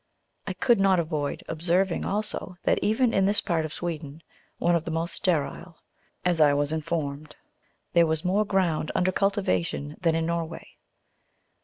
I could not avoid observing also, that even in this part of Sweden, one of the most sterile, as I was informed, there was more ground under cultivation than in Norway.